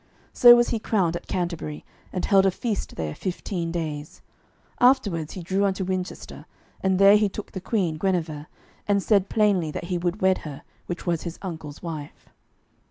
So was he crowned at Canterbury, and held a feast there fifteen days. Afterwards he drew unto Winchester, and there he took the Queen, Guenever, and said plainly that he would wed her which was his uncle's wife.